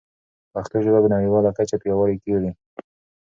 پښتو ژبه په نړیواله کچه پیاوړې کړئ.